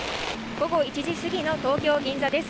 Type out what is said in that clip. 午後１時過ぎの東京・銀座です。